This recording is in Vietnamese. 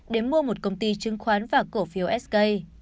để mua một công ty chứng khoán và cổ phiếu sk